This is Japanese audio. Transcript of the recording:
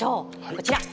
こちら。